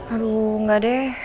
aduh enggak deh